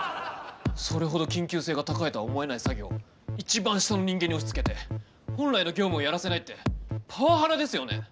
それほど緊急性が高いとは思えない作業を一番下の人間に押しつけて本来の業務をやらせないってパワハラですよね？